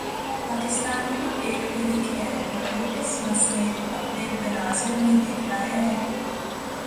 پاکستان خود ایک فریق ہے اور وہ اس مسئلے کو اپنے تناظر میں دیکھتا ہے۔